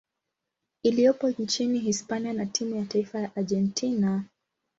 iliyopo nchini Hispania na timu ya taifa ya Argentina.